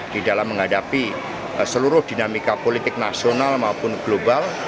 di dalam menghadapi seluruh dinamika politik nasional maupun global